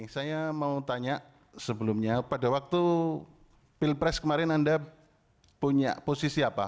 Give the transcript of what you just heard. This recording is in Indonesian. saya mau tanya sebelumnya pada waktu pilpres kemarin anda punya posisi apa